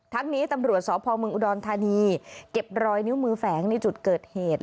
นี้ตำรวจสพเมืองอุดรธานีเก็บรอยนิ้วมือแฝงในจุดเกิดเหตุ